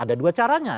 ada dua caranya